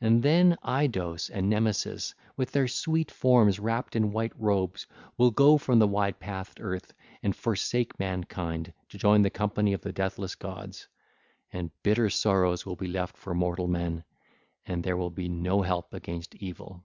And then Aidos and Nemesis 1307, with their sweet forms wrapped in white robes, will go from the wide pathed earth and forsake mankind to join the company of the deathless gods: and bitter sorrows will be left for mortal men, and there will be no help against evil. (ll.